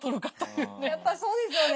やっぱりそうですよね。